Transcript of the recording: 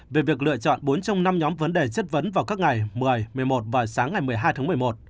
về việc lựa chọn bốn trong năm nhóm vấn đề chất vấn vào các ngày một mươi một mươi một và sáng ngày một mươi hai tháng một mươi một